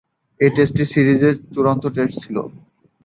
ঐ টেস্টটি সিরিজের চূড়ান্ত টেস্ট ছিল।